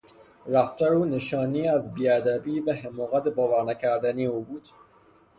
رفتار او نشانی از بیادبی و حماقت باورنکردنی او بود.